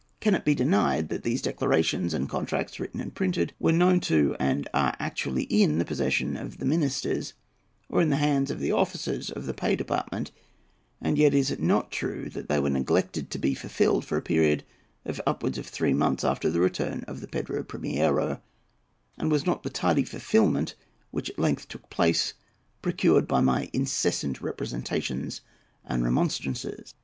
Can it be denied that these declarations and contracts, written and printed, were known to, and are actually in the possession of the ministers, or in the hands of the officers of the pay department, and yet is it not true that they were neglected to be fulfilled for a period of upwards of three months after the return of the Pedro Primiero ; and was not the tardy fulfilment which at length took place procured by my incessant representations and remonstrances?